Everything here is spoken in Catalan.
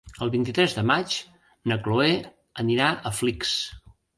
El vint-i-tres de maig na Chloé anirà a Flix.